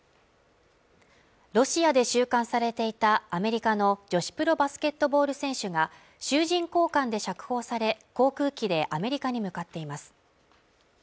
ロシアで収監されていたアメリカの女子プロバスケットボール選手が囚人交換で釈放され航空機でアメリカに向かっています